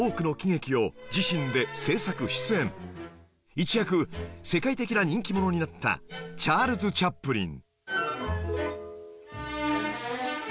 一躍世界的な人気者になったチャールズ・チャップリン